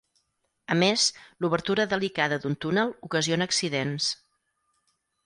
A més, l'obertura delicada d'un túnel ocasiona accidents.